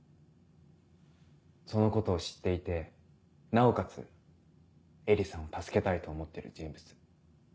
そのことを知っていてなおかつ絵理さんを助けたいと思ってる人物。